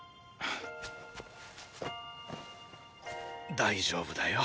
大丈夫だよ。